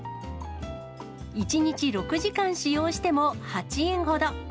１日６時間使用しても８円ほど。